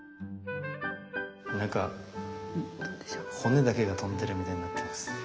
なんか骨だけが飛んでるみたいになってます。